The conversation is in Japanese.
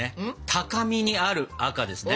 高みにある赤ですね